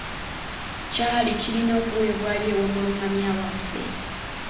Kyali kirina okuweebwayo ew’omulungamya waffe.